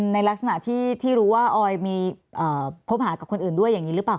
ในลักษณะที่รู้ว่าออยมีคบหากับคนอื่นด้วยอย่างนี้หรือเปล่า